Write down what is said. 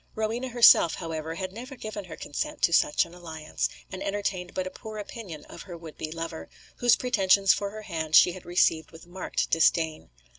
Rowena herself, however, had never given her consent to such an alliance; and entertained but a poor opinion of her would be lover, whose pretensions for her hand she had received with marked disdain.